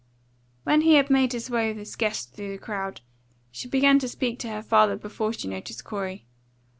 When he had made his way with his guest through the crowd, she began to speak to her father before she noticed Corey.